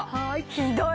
ひどい！